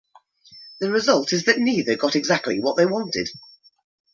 The result is that neither got exactly what they wanted.